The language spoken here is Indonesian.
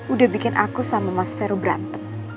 udah bikin aku sama mas vero berantem